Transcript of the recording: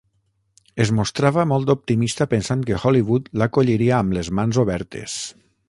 Es mostrava molt optimista pensant que Hollywood l'acolliria amb les mans obertes.